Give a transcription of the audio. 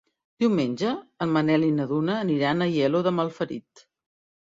Diumenge en Manel i na Duna aniran a Aielo de Malferit.